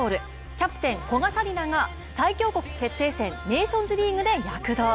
キャプテン・古賀紗理那が最強国決定戦、ネーションズリーグで躍動。